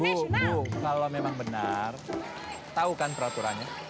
bu kalau memang benar tahu kan peraturannya